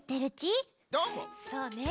そうね